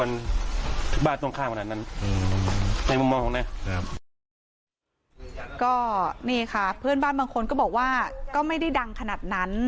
แล้วนี่ค่ะคนบ้านบางคนบอกว่าก็ไม่ได้ดังขนาดนั้น